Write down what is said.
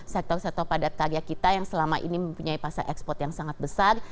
sektor sektor padat karya kita yang selama ini mempunyai pasar ekspor yang sangat besar